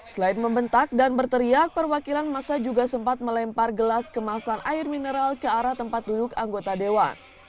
selain membentak dan berteriak perwakilan masa juga sempat melempar gelas kemasan air mineral ke arah tempat duduk anggota dewan